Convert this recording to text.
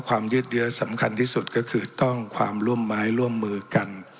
ยืดเยอะสำคัญที่สุดก็คือต้องความร่วมไม้ร่วมมือกัน